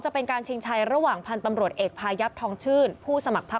ประชารัฐค่ะ